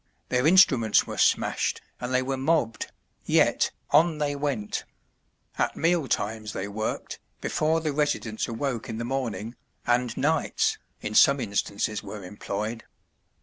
Their instruments were smashed and they were mobbed, yet, on they went, at meal times they worked, before the residents awoke in the morning, and nights, in some instances were employed.